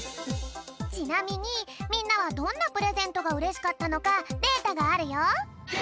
ちなみにみんなはどんなプレゼントがうれしかったのかデータがあるよ。